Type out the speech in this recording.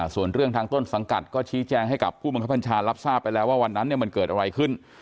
ส่วนเรื่องทางต้นสังกัดก็ชี้แจงให้กับผู้บังคับบัญชารับทราบไปแล้วว่าวันนั้นมันเกิดอะไรขึ้น